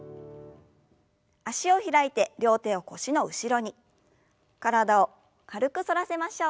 脚を開いて両手を腰の後ろに体を軽く反らせましょう。